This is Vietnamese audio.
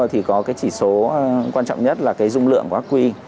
thì có cái chỉ số quan trọng nhất là cái dung lượng của ác quy